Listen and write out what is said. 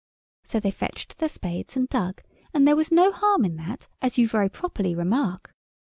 So they fetched their spades and dug—and there was no harm in that, as you very properly remark.